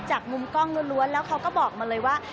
จากมุมกล้องล้วนแล้วเขาก็บอกมาเลยว่า